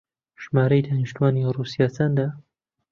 ژمارەی دانیشتووانی ڕووسیا چەندە؟